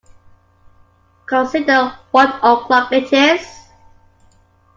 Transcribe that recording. Consider what o’clock it is.